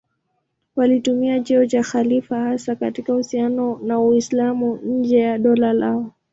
Walitumia cheo cha khalifa hasa katika uhusiano na Waislamu nje ya dola lao.